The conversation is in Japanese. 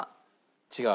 違う？